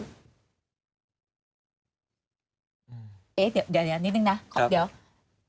เอ๊ะเดี๋ยวนิดนึงนะขอเดี๋ยว